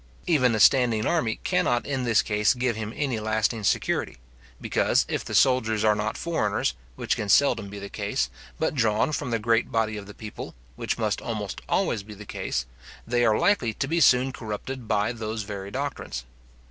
Even a standing army cannot in this case give him any lasting security; because if the soldiers are not foreigners, which can seldom be the case, but drawn from the great body of the people, which must almost always be the case, they are likely to be soon corrupted by those very doctrines.